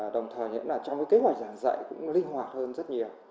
đồng thời nữa là trong cái kế hoạch giảng dạy cũng linh hoạt hơn rất nhiều